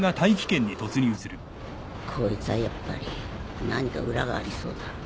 こいつはやっぱり何か裏がありそうだ。